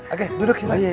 oke duduk silahkan